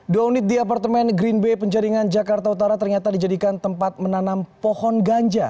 dua unit di apartemen green bay penjaringan jakarta utara ternyata dijadikan tempat menanam pohon ganja